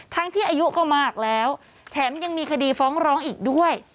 ทั้งที่อายุก็มากแล้วแถมยังมีคดีฟ้องร้องอีกด้วย